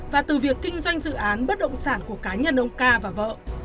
và từ việc kinh doanh dự án bất động sản của cá nhân ông ca và vợ